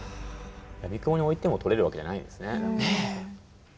闇雲に置いても撮れるわけじゃないんですね。